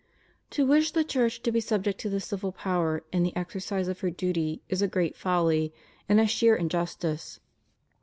To wish the Church to be subject to the civil power in the exercise of her duty is a great folly and a sheer in justice.